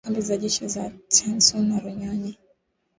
walishambulia kambi za jeshi la za Tchanzu na Runyonyi